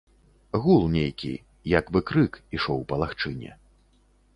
Гул нейкі, як бы крык, ішоў па лагчыне.